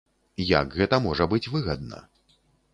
Як гэта можа быць выгадна.